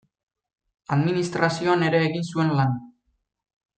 Administrazioan ere egin zuen lan.